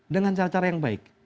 dengan cara cara yang baik